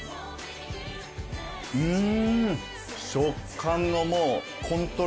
うん。